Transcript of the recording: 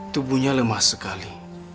tubuhnya lemah sekali